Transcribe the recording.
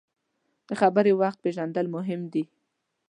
د خبرې وخت پیژندل مهم دي.